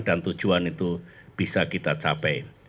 dan tujuan itu bisa kita capai